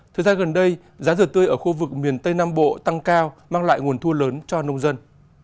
thực ra gần đây giá rửa tươi ở khu vực miền tây nam bộ tăng cao mang lại nguồn thua lớn cho nông dân